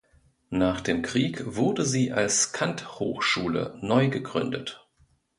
Nach dem Krieg wurde sie als „Kant-Hochschule“ neugegründet.